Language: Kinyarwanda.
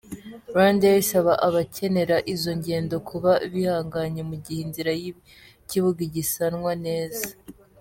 Rwandair isaba abakenera izo ngendo kuba bihanganye mu gihe inzira y’ikibuga igisanwa neza.